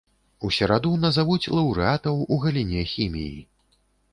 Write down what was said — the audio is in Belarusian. У сераду назавуць лаўрэатаў у галіне хіміі.